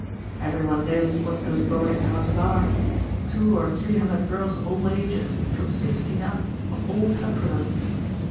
Every one knows what those boarding houses are two or three hundred girls of all ages, from sixteen up, of all temperaments.